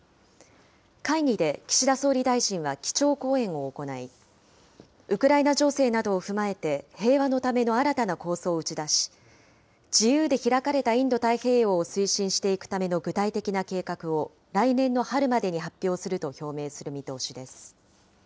会議で岸田総理大臣は基調講演を行い、ウクライナ情勢などを踏まえて、平和のための新たな構想を打ち出し、自由で開かれたインド太平洋を推進していくための具体的な計画を、来年の春までに発表すると表明する見通しです。